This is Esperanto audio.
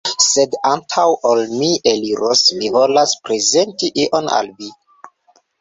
Sed antaŭ ol mi eliros, mi volas prezenti ion al vi